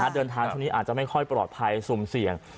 เดินทางชนนี้อาจจะไม่ค่อยปลอดภัยอสมเสีย